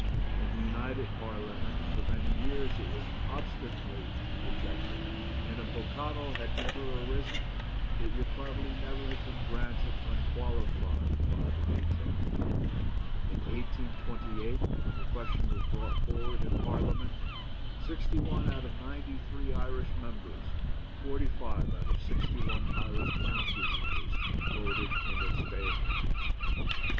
In the United Parliament for many years it was obstinately rejected, and if O'Connell had never arisen it would probably never have been granted unqualified by the veto. In 1828 when the question was brought forward in Parliament, sixty one out of ninety three Irish members, forty five out of sixty one Irish county members, voted in its favour.